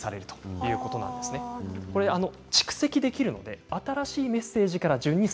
蓄積できるので新しいメッセージから順に